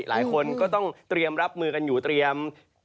หลายคนก็ต้องเตรียมรับมือกันอยู่เตรียม